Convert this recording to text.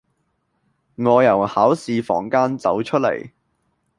我由考試房間走出嚟